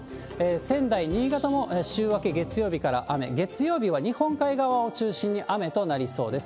仙台、新潟も週明け月曜日から雨、月曜日は日本海側を中心に雨となりそうです。